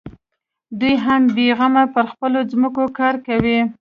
دوى هم بېغمه پر خپلو ځمکو کار کوي.